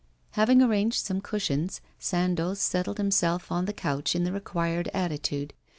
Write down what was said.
Having arranged some cushions, Sandoz settled himself on the couch in the required attitude.